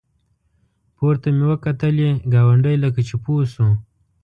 پورته مې وکتلې ګاونډی لکه چې پوه شو.